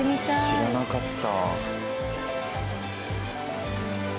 知らなかった。